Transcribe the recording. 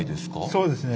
そうですね。